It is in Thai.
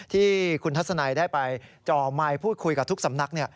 ที่คุณทัศนัยได้ไปจ่อไมค์พูดคุยกับทุกสำนัก